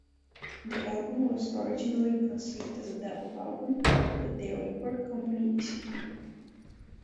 The album was originally conceived as a double album, but their record company disagreed.